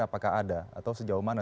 apakah ada atau sejauh mana